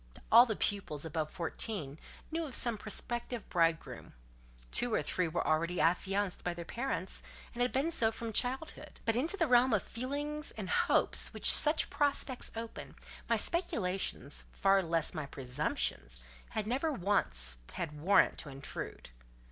All the pupils above fourteen knew of some prospective bridegroom; two or three were already affianced by their parents, and had been so from childhood: but into the realm of feelings and hopes which such prospects open, my speculations, far less my presumptions, had never once had warrant to intrude.